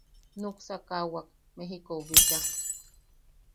Nuksakaʼawak Mejikou bicha.